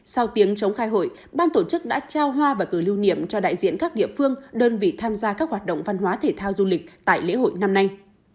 sau tiếng chống khai hội ban tổ chức đã trao hoa và cờ lưu niệm cho đại diện các địa phương đơn vị tham gia các hoạt động văn hóa thể thao du lịch tại lễ hội năm nay